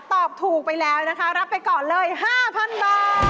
ตอบถูกไปแล้วนะคะรับไปก่อนเลย๕๐๐๐บาท